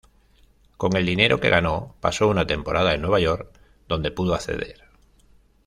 Con el dinero que ganó, pasó una temporada en Nueva York, donde pudo acceder.